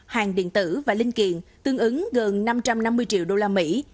hàng điện tử và linh kiện tương ứng gần năm trăm năm mươi triệu đô la mỹ